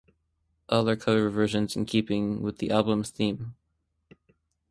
All are cover versions in keeping with the album's theme.